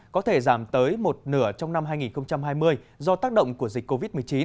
có thể giảm tới một nửa trong năm hai nghìn hai mươi do tác động của dịch covid một mươi chín